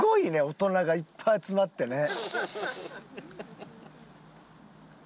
大人がいっぱい集まってね。